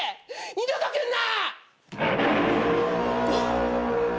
二度と来んな！